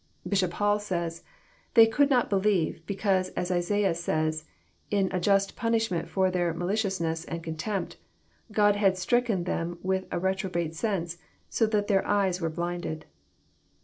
Bishop Hall says :They could not believe, because, as Isaiah says, in a just punishment for their maliciousness and contempt, God had stricken them with a reprobate sense, so that their eyes were blinded."